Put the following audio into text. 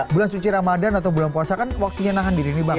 bulan suci ramadan atau bulan puasa kan waktunya nahan diri nih bang